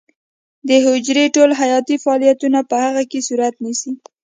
د حجرې ټول حیاتي فعالیتونه په هغې کې صورت نیسي.